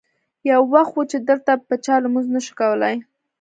یو وخت و چې دلته به چا لمونځ نه شو کولی.